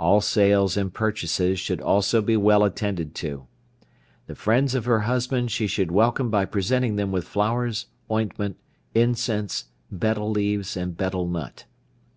All sales and purchases should also be well attended to. The friends of her husband she should welcome by presenting them with flowers, ointment, incense, betel leaves, and betel nut.